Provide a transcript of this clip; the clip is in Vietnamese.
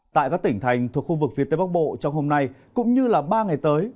tại các tỉnh thành thuộc khu vực phía tây bắc bộ trong hôm nay cũng như ba ngày tới